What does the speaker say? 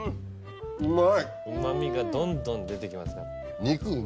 うま味がどんどん出てきますから。